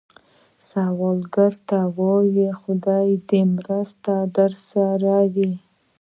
سوالګر ته ووايئ “خدای دې مرسته درسره وي”